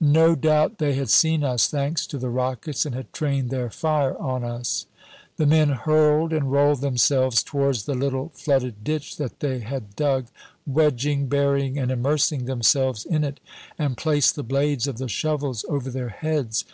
No doubt they had seen us, thanks to the rockets, and had trained their fire on us. The men hurled and rolled themselves towards the little flooded ditch that they had dug, wedging, burying, and immersing themselves in it, and placed the blades of the shovels over their heads.